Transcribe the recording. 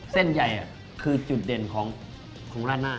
เส้นใหญ่คือจุดเด่นของราดหน้า